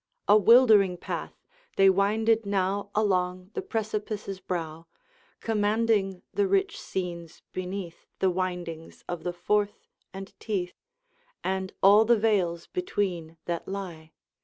A wildering path! they winded now Along the precipice's brow, Commanding the rich scenes beneath, The windings of the Forth and Teith, And all the vales between that lie.